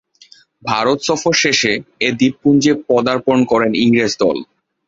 ভারত সফর শেষে এ দ্বীপপুঞ্জে পদার্পণ করে ইংরেজ দল।